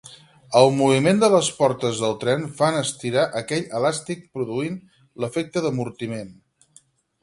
El moviment de les potes de tren fan estirar aquest elàstic produint l'efecte d'amortiment.